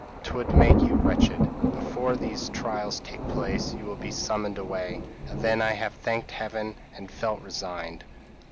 'twould make you wretched. Before these trials take place, you will be summoned away:' and then I have thanked Heaven, and felt resigned."